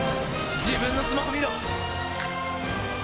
自分のスマホ見ろ！